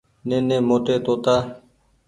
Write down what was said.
نيني موٽي توتآ ۔